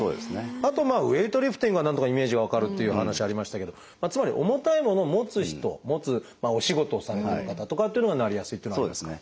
あとウエイトリフティングはなんとかイメージは分かるっていう話ありましたけれどつまり重たいものを持つ人持つお仕事をされている方とかっていうのはなりやすいっていうのはありますか？